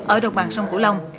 ở đồng bằng sông cửu long